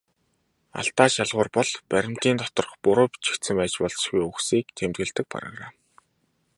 Алдаа шалгуур бол баримтын доторх буруу бичигдсэн байж болзошгүй үгсийг тэмдэглэдэг программ.